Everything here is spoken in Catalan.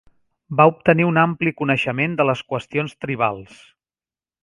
Va obtenir un ampli coneixement de les qüestions tribals.